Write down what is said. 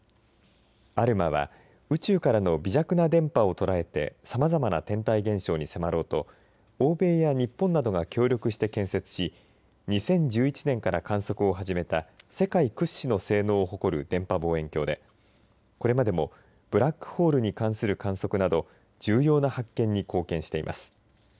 アルマは宇宙からの微弱な電波を捉えてさまざまな天体現象に迫ろうと欧米や日本などが協力して建設し２０１１年から観測を始めた世界屈指の性能を誇る電波望遠鏡でこれまでもブラックホールに関する観測など重要な発見に貢献しています。